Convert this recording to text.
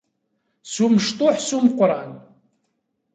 S umecṭuḥ, s umeqsran.